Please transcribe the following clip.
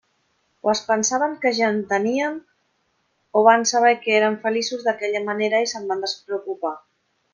O es pensaven que ja en teníem, o van saber que érem feliços d'aquella manera i se'n van despreocupar.